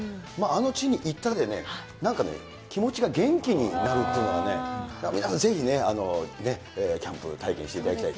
あの地に行っただけでね、なんかね、気持ちが元気になるっていうのがね、皆さん、ぜひね、キャンプ体験していただきたい。